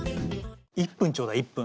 １分ちょうだい１分。